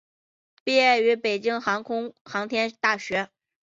毕业于北京航空航天大学。